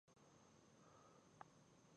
آیا پښتونولي به تل ژوندي نه وي؟